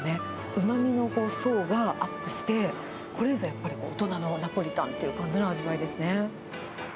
うまみの層がアップして、これぞやっぱり大人のナポリタンっていう感じの味わいですね。